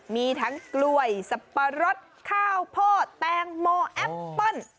มีกล้วยสะปะรสข้าวโพ่แตงมอแอปเปิ้ล